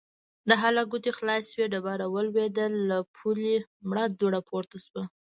د هلک ګوتې خلاصې شوې، ډبره ولوېده، له پولې مړه دوړه پورته شوه.